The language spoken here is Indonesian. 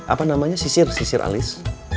apa namanya sisir sisir alis